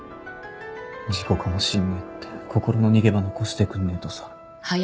事故かもしんねえって心の逃げ場残してくんねえとさ。